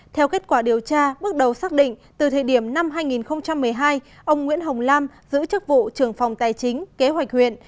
theo kết quả điều tra bước đầu xác định từ thời điểm năm hai nghìn một mươi hai ông nguyễn hồng lam giữ chức vụ trưởng phòng tài chính kế hoạch huyện